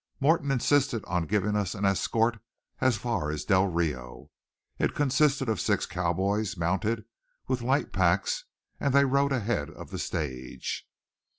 Morton insisted on giving us an escort as far as Del Rio. It consisted of six cowboys, mounted, with light packs, and they rode ahead of the stage.